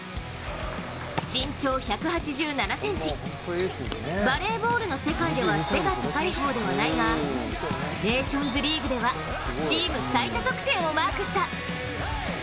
身長１８７ｃｍバレーボールの世界では背が高い方ではないがネーションズリーグではチーム最多得点をマークした。